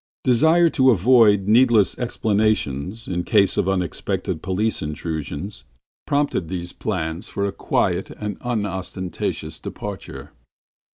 Desire to avoid needless explanations in ease of unexpected police intrusions prompted these plans for a quiet and unostentatious departure.